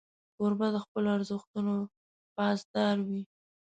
کوربه د خپلو ارزښتونو پاسدار وي.